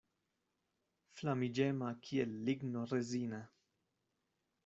Flamiĝema kiel ligno rezina.